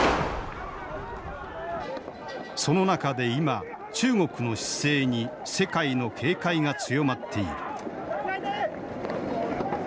その中で今中国の姿勢に世界の警戒が強まっている。